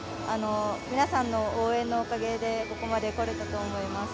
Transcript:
皆さんの応援のおかげでここまでこれたと思います。